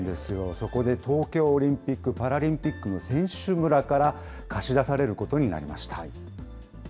そこで東京オリンピック・パラリンピックの選手村から、貸し出されることになりました。